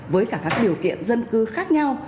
với cả các điều kiện dân cư khác nhau